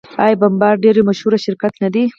آیا بمبارډیر یو مشهور شرکت نه دی؟